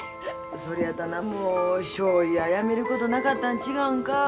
それやったらなんもしょうゆ屋やめることなかったん違うんか？